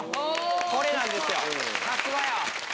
これなんですよ。